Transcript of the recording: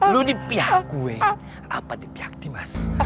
lu di pihak gue apa di pihak dimas